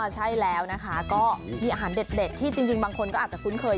ใช่แล้วนะคะก็มีอาหารเด็ดที่จริงบางคนก็อาจจะคุ้นเคย